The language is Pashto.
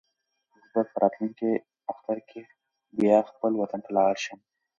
زه به په راتلونکي اختر کې بیا خپل وطن ته لاړ شم.